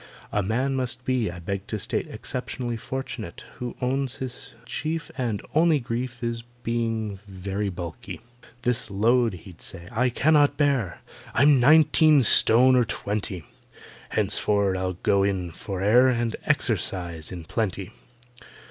A man must be, I beg to state, Exceptionally fortunate Who owns his chief And only grief Is—being very bulky. "This load," he'd say, "I cannot bear; I'm nineteen stone or twenty! Henceforward I'll go in for air And exercise in plenty."